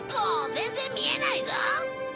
全然見えないぞ。